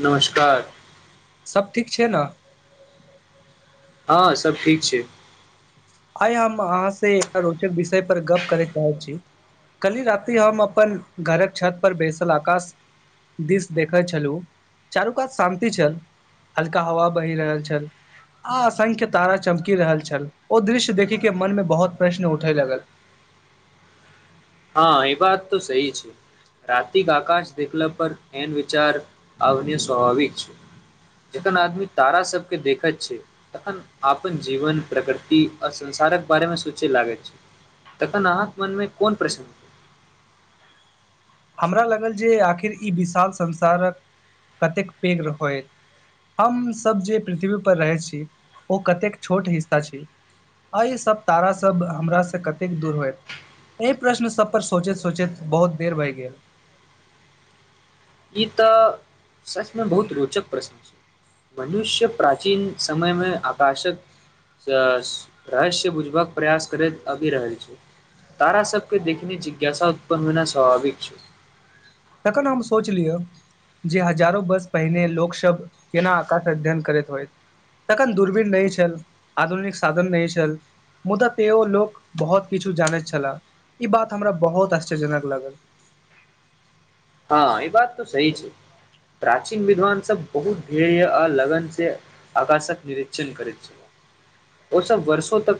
नमस्कार सब ठीक छै नऽ हँ सब ठीक छै आइ हम अहाँ से एकटा रोचक विषय पर गप करे चाहै छी काल्हि राात हम अपन घरक छत पर बैसल आकाश दिस देखैत छलु चारू कात शान्ति छल हल्का हवा बहि रहल छल आ असंख्य तारा चमकि रहल छल ओ दृश्य देखे कऽ मन में बहुत प्रश्न उठे लगल हँ ई बात तऽ सहि छै रतििक आकश देखला पर एैन विचार आने स्वभाविक छै जखन आदमी तारा सब के देखैत छै तखन अपनन जीवन प्रकृति आर संसारक बारेमे सोचय लागैत छै तखन आहेके मनमे कोन प्रस्न हमरा लगल जे आखिर ई विशाल संसारक कतेक पैघ होय हमसभ जे पृथ्वी पर रहै छी ओ कतेक छोट हिस्सा छैय आ ई सब तारा सब हमर सऽ कतेक दूर होत एहि प्रश्न सब पर सोचैत सोचैत बहुत देर बहि गेल ई तऽ सचमे बहुत रोचक प्रश्न छै मनुष्य प्राचीन समयमे आकाशक रहस्य बुझबाक प्रयास करैत आबि रहल छै तारा सबके देखने जिज्ञासा उत्पन्न होना स्वाभाविक छै तखन हम सोचलियै जे हजारो वर्ष पहिने लोक शब्द केना अकाटक अध्ययन करैत होय तखन दूरबीन नहि छल आधुनिक साधन नहि छल मुद्दा ते ओ लोक बहुत किछु जानैत छह ई बात हमरा बहुत आश्चर्यजनक लगल हँ ई बात तऽ सही छै प्राचीन विद्वान सब बहुत ध्येय अ लगन से आकाशक निरिक्षण करैत छलाह ओ सब वर्षो तक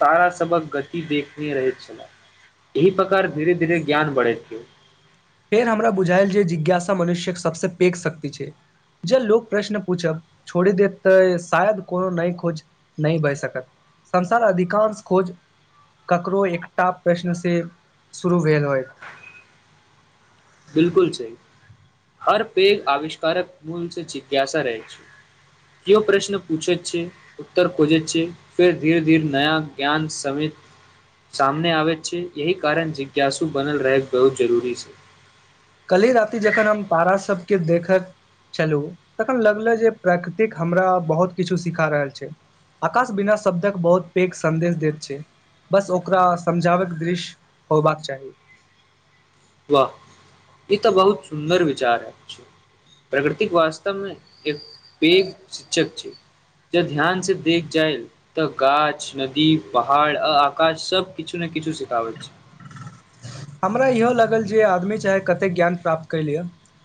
तारा सबक गति देखने रहैत छलाह एहि प्रकार धीरे धीरे ज्ञान बढ़ै छै फेर हमरा बुझायल जे जिज्ञासा मनुष्य क सबसँ पैघ शक्ति छै ज लोक प्रश्न पूछब छोड़ी दे तऽ शायद कोनो नहि खोज नहि बए सकत संसार अधिकांश खोज ककरो एकटा प्रश्न से शुरू भेल होयइत बिलकुल सही हर पेघ आविष्कारक मूल से जिज्ञासा रहै छै कियो प्रश्न पूछैत छै उत्तर कोुजैत छै फेर धीरे धीरे नया ज्ञान सम सामने आबेत छै एहि कारण जिज्ञासु बनल रहैके बहुत जरूरी छै कल्हि राति जखन हम तारा सबके देखक चलू तखन लगले जे प्रकृतिक हमरा बहुत किछु सिखा रहल छै आकाश बिना शब्दक बहुत पैघ सदेश दैत छै बस ओकरा समझाबैके दृश्य होबाक चाही वाह ई तऽ बहुत सुन्दर विचार अछू प्रकृतिक वास्तव मे एक पैघ शिक्षक छै ज ध्यान से देख जाइल तऽ गाछ नदी पहाड़ आ आकाश सब किछु ने किछु सिखाबैत छै हमरा इहो लागल जे आदमी चाहे कतेक ज्ञान प्राप्त क लियए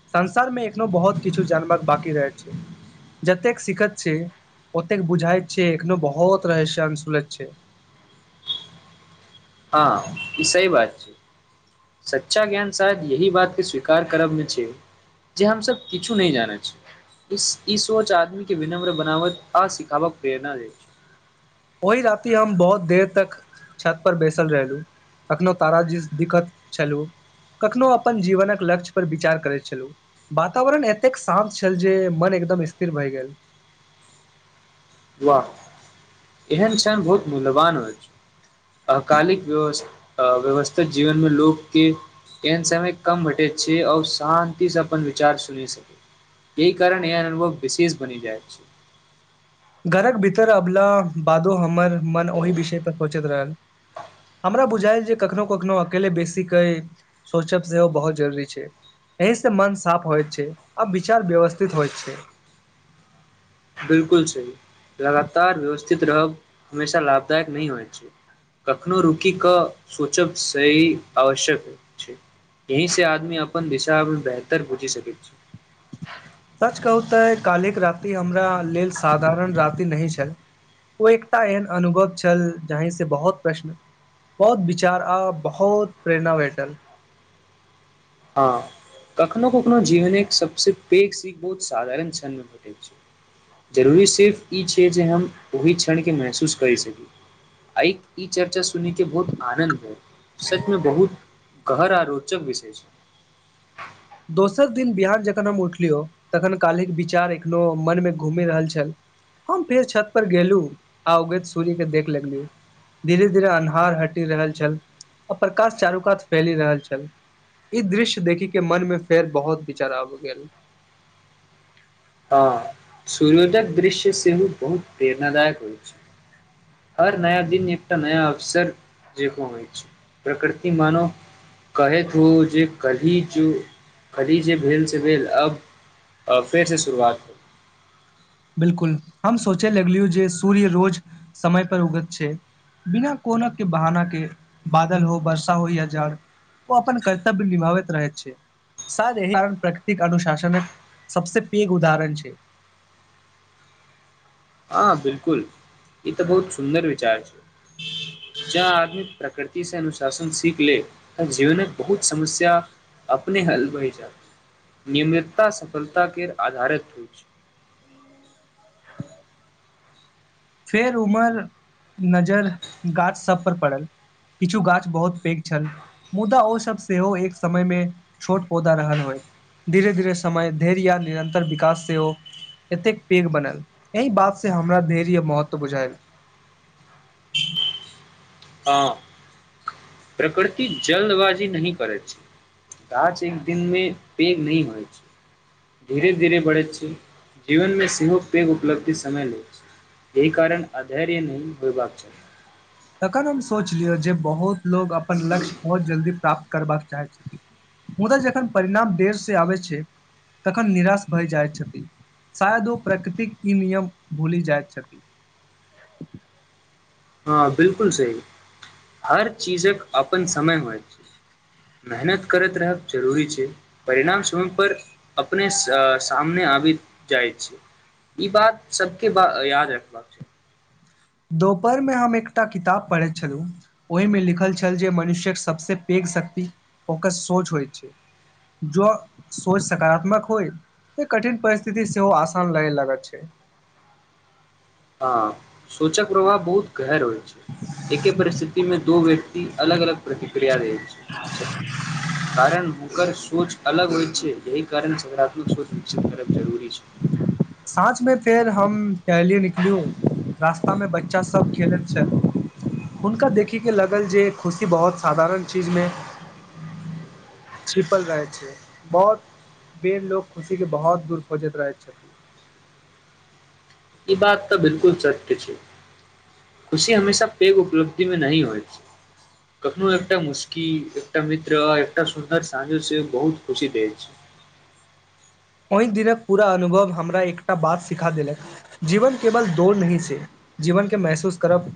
संसार में एखनो बहुत किछु जानव बकी रहै छै जतेक सिखत छै ओतेक बुझाइत छै एखनो बहुत रहस्य अंसुलेझ छै हँ ई सही बात छै सच्चा ज्ञान शायद यह बात के स्वीकार करबमे छै जे हमस किछु नय जानै छी इस ई सोच आदमी के विनम्र बनावत आ सिखावक के प्रेरणा दे छै ओहि राति हम बहुत देर तक छत पर बैसल रहलु कखनो तारा जी दिक्कत छलु कखनो अपन जीवनक लक्ष्य पर विचार करैत छलहुँ वातावरण एतेक शान्त छल जे मन एकदम स्थिर भए गेल वाह एहन क्षन बहुत मूल्यवान होयत छै अकालिक व्य व्यवस्थित जीवनमे लोकके ऐहन समय कम घटे छै आओ शान्ति से अपन विचार सुनि सकैत य कारण यहे अनुभव विशेष बनि जाय अछि घरक भीतर अबला बादो हमर मन ओहि विषय पर सोचैत रहल हमरा बुझाायल जे कखनो कखनो अकेले बेसीे सोचब सेहो बहुत जरूरी छै एहि से मन साफ होइ छै आ विचार व्यवस्थित होइत छै बिलकुल सही लगातार व्यवस्थित रहब हमेशा लाभदायक नहि होइत छै कखनो रुकि कऽ सोचब सही आवश्यक छै ऐहि से आदमी अपन दिशा मे बेहतर बुझि सकैत छी सच कहू ते काल्हिक राति हमरा लेल साधारण राति नहीं छैल ओ एकटा एहन अनुभव छल जही से बहुत प्रश्न बहुत विचार आ बहुत प्रेरणा भेटल हँ कखनो कखनो जीवन एक सबसँ पैघ सीख बहुत साधारण क्षण मे भेटैत छै जरूरी सिर्फ ई छैिय जे हम ओहि क्षणकेँ महसूस करि सकी आ ई चर्चा सुन के बहुत आनंद भेल सचमे बहुत गहरा आ रोचक विषय छै दोसर दिन बिहान जखन हम उठलियौ तखन कालहििक विचार एखनो मनमे घूमि रहल छल हम फेर छत पर गेलु आ उगैत सूर्य कऽ देख लगलु धीरे धीरे अन्हार हटि रहल छल आ प्रकाश चारू कात फैलि रहल छल ई दृश्य देखिक के मन मे फेर बहुत विचार आब गेल हँ सूर्योदय दृश्य सेहो बहुत प्रेरण दायक होइ छै हर नया दिन एकटा नया अवसर जेका हो अछि प्रकृति मनो कहैत हो जे कली जो कली जे भेल से भेल अब अब फेरसँ शुरुआत हो बिल्कुल हम सोचे लगलियू जे सूर्य रोज समय पर उगत छै बिना कोना के बहाना के बादल हो वर्षा हो या जाड़ ओ अपन कर्तव्य निभावैत रहै छै शायद प्रकृतिक अनुशासन सबसँ पेघ उदाहरण छै हँ बिल्कुल ई तऽ बहुत सुंन्दर विचार छै जो आदमी प्रकृति से अनुशासन सीख ले तऽ जीवन बहुत समस्या अपने हल बहि जाइत नियमितता सफलता के आधारित होइ छै फेर उमर नजर गाछ सब पर पड़ल किछु गाछ बहुत पैघ छल मुदा ओ सब सेहो एक समय मे छोट पौधा रहल होयत धीरे धीरे समय धैर्य या निरन्तर विकास सेहो एतेक पेघ बनल एहि बात सऽ हमरा धैर्य महत्व बुझायल हँ प्रकृति जल्दबाजी नहिह करै छै गाछ एक दिन मे पैघ नहि होइ छै धीरे धीरे बढ़ैत छै जीवन मे सेहो पैघ उपलब्धि समय ले छै एहि कारण अधैर्य नहि होयबाक चाही तखन हम सोच लियौ जे बहुत लोग अपन लक्ष्य बहुत जल्दी प्राप्त करबाक चाहैत छथिन मुदा जखन परिणाम देर से आबै छै तखन निराश भय जाइत छथि शायद ओ प्रकृतिक ई नियम भूलि जाइत छथि हँ बिल्कुल सही हर चीजक अपन समय होइत मेहनत करैत रहब जरूरी छै परिणाम समय पर अपने सामने आबि जाइ छै ई बात सब के ब याद रखबाक चाहि दोपहर मे हम एकटा किताब पढ़ैत छलहुँ ओहिमे लिखल छल जे मनुष्यक सबसँ पैघ शक्ति ओकर सोच होइत छै जो सोच सकारात्मक होइत तऽ कठिन परिस्थिति सेहो आसान लगे लागत छै हऽ सोचक प्रभाव बहुत गहर होइ छै एके परिस्थिति मे दो व्यक्ति अलग अलग प्रतिक्रिया देैत छथि कारण हुकर सोच अलग होइत छै कारण सकारात्मक सोच विकसित करब जरूरी छै सााँझ मे फेर हम टहलिय निकलिय रास्तामे बच्चासभ खेलैत छल हुनका देखैके लागल जे खुशी बहुत साधारण चीजमे छिपल रहेैय छैय बहुत बेर लोग खुशी के बहुत दूर खोजैत रहेै छथिन ई बात तऽ बिल्कुल सत्य छै खुशी हमेशा पेघ उपलब्धि मे नऽ नहि होइ [inaudible] कखनो एकटा मुस्की एकटा मित्र आ एकटा सुन्दर साँझो से बहुत खुशी दैत छेय ओय दिनक पूरा अनुभव हमरा एकटा बात सिखा देलक जीवन केवल दोड़ नैही छैय जीवन के महसूस करब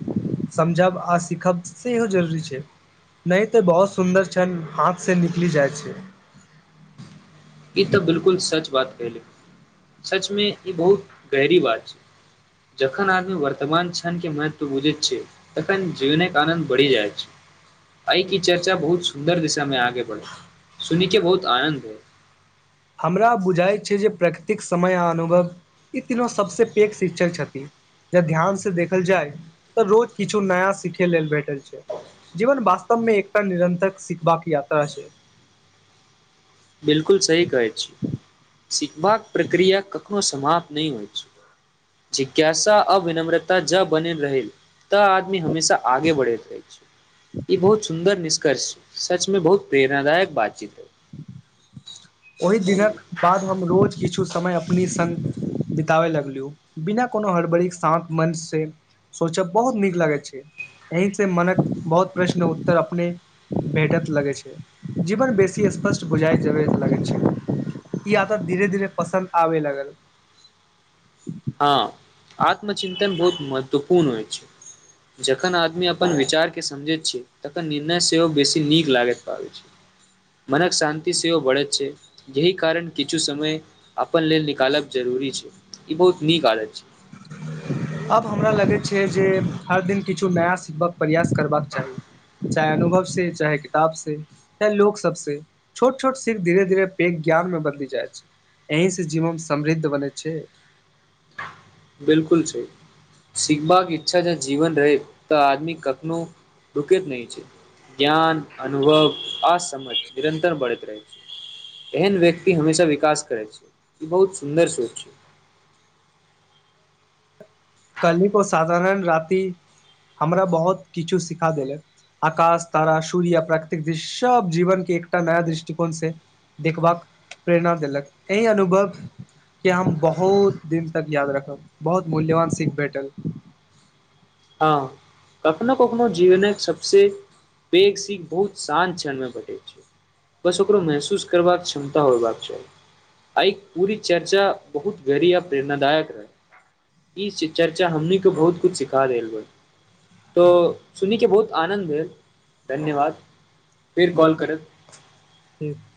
समझब आ सीखब सेहो जरूरी छैय नैह तऽ बहुत सुन्दर छैन हाथ से निकलि जाइय छैय इ तऽ बिल्कुल सच बात कैहदेलौ सच में इ बहुत गहरी बात छैय जखन आदमी वर्तमान क्षणके महत्व बुझैत छैय तखन जीनैय के आनंन्द बड़ी जाइछ आइय के चर्चा बहुत सुन्दर दिशा में आगे बढ़ैय सुनि के बहुत आनंन्द भेल हमरा बुझाइत छै जे प्रकृतिक समय आ अनुभव इ तीनो सब से पैघ शिक्षन छथिन जो ध्यान से देखल जाय तऽ रोज किछो नया सिखे लेल भेटल छै जीवन वास्तव मे एकटा निरंतर सिखबाक यात्रा छैय बिल्कुल सही कहै छीयै सिखबाक प्रक्रिया कखनो समाप्त नैय होइय छैय जिज्ञासा अऽ विनम्रता जाउ बनैल रही तऽ आदमी हमेशा आगे बढ़ैत ऐछ इ बहुत सुंदर निष्कर्ष सच में बहुत प्रेरणादायक बातचीत ऐ ओय दिनक बाद हम रोज किछ तु समय अपनी संग बिताबे लगलु बिना कोनो हड़बड़ीक शान्त मन से सोचब बहुत नीक लागैय छैय एही से मनक बहुत प्रशन उत्तर अपने भेटत लगेैत छै जीवन बेसी स्पष्ट बुझाइ जे लगै छै इ आदत धीरे -धीरे पसंन्द आबे लगल हऽ आत्मचिंन्तन बहुत महत्वपूर्ण होय छैय जखन आदमी अपन विचार के समझे छैय तखन निर्णय सेहो बेसी नीक लागैत छल मनक शांन्ति सेहो बढ़ैय छैय जाहि कारण किछु समय अपन लेल निकालक जरूरी छैय इ बहुत नीक आदत छैय आब हमरा लगैय छैय जे हर दिन किछु नया सिखबाक प्रयास करबाक चाही चाहे अनुभव से चाहे किताब से चाहे लोक सब से छोट -छोट सीख धीरे- धीरे पेघ ज्ञान मे बदली जाइ छै एहिही से जीवन समृद्ध बनै छैय बिल्कुल छैय सीखबाक इच्छा जाउ जीवन रहैतऽ त आदमी कखनो रूकेैत न छैय ज्ञान अनुभव आ समझ निरन्तर बढ़ैत रहै छैय एहन व्यक्ति हमेशा विकास करै छै ई बहुत सुन्दर सोच छैय काल्हि के साधारण राति हमरा बहुत किछु सिखा देलक आकाश, तारा, सूर्य, प्राकृतिक दृश्य सब जीवन के एकटा नया दृष्टिकोण से देखबाक प्रेरणा देलक एहि अनुभव के हम बहुत दिन तक याद रखब बहुत मूल्यवान सिख भेटल। हँ कखनो -कखनो जीवनक सब से पेघ सीख बहुत शान्त क्षणमें बढै छैय। बस ओकरो महसूस करबाक क्षमता होबाक चाही। आय पूरी चर्चा बहुत गहरी या प्रेरणादायक रहै। इ शिव चर्चा हमनीके बहुत कुछ सिखा [unintelligible] तो सुनी के बहुत आनन्द भेल धन्यवाद। फेर कॉल करब [unintelligible]